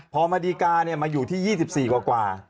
พอมาดีกามาอยู่ที่๒๔กว่า